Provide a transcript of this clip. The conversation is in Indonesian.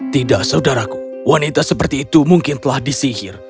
tidak saudaraku wanita seperti itu mungkin telah disihir